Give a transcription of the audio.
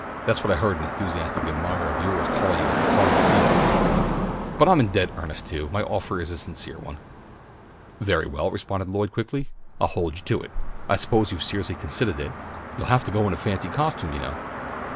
"That's what I heard an enthusiastic admirer of yours call you on the car this evening. But I'm in dead earnest, too. My offer is a sincere one." "Very well," responded Lloyd quickly, "I'll hold you to it. I suppose you've seriously considahed it. You'll have to go in fancy costume, you know."